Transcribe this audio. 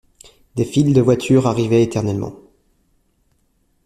des files de voitures arrivaient, éternellement.